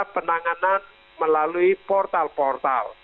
penanganan melalui portal portal